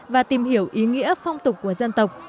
và tìm hiểu ý nghĩa phong tục của dân tộc